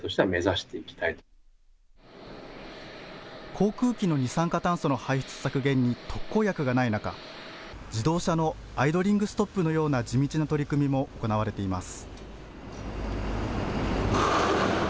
航空機の二酸化炭素の排出削減に特効薬がない中、自動車のアイドリングストップのような地道な取り組みも行われています。